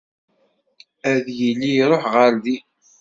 Ad yili iruḥ ɣer din.